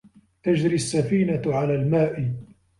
تَجْرِي السَّفِينَةُ عَلَى الْمَاءِ.